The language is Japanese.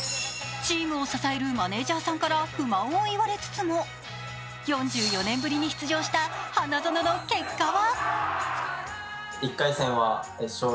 チームを支えるマネージャーさんから不満を言われつつも、４４年ぶりに出場した花園の結果は？